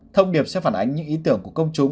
thông điệp sẽ phản ánh những ý tưởng của công chúng